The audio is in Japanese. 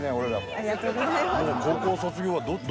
ありがとうございます。